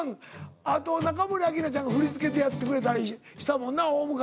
あと中森明菜ちゃんが振り付けでやってくれたりしたもんな大昔。